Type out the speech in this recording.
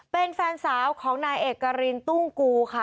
เป็นแฟนสาวของนายเอกรินตุ้งกูค่ะ